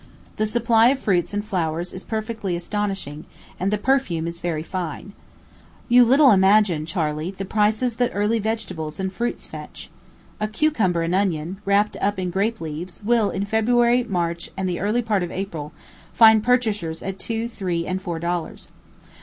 The supply of fruits and flowers is perfectly astonishing, and the perfume is very fine. You little imagine, Charley, the prices that early vegetables and fruits fetch. A cucumber and onion, wrapped up in grape leaves, will, in February, March, and early part of April, find purchasers at two, three, and four dollars.